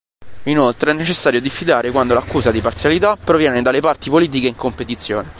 Inoltre, è necessario diffidare quando l'accusa di parzialità proviene dalle parti politiche in competizione.